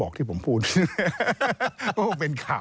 ก็ออกมา